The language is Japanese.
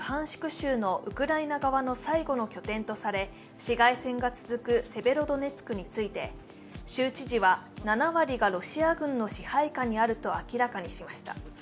州のウクライナ側の最後の拠点とされ、市街戦が続くセベロドネツクについて州知事は、７割がロシア軍の支配下にあると明らかにしました。